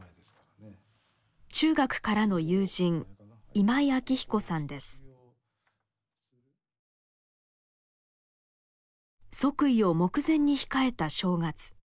中学からの友人即位を目前に控えた正月。